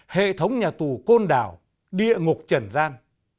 hệ thống nhà tù côn đảo địa ngục trần gian